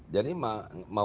jadi mau nggak mau